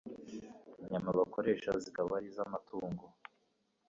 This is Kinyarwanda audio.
inyama bakoresha zikaba ari izamatungo